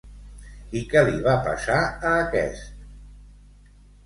I què li va passar a aquest?